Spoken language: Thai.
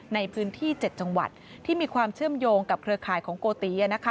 ในพื้นที่๗จังหวัดที่มีความเชื่อมโยงกับเครือข่ายของโกติ